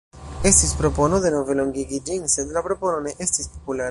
Estis propono denove longigi ĝin, sed la propono ne estis populara.